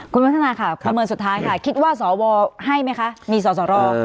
คุณวัฒนาค่ะคำเมินสุดท้ายคิดว่าสอวรให้ไหมคะมีสอสอรอก